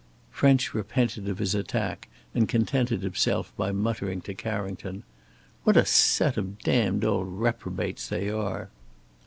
French repented of his attack, and contented himself by muttering to Carrington: "What a set of damned old reprobates they are!"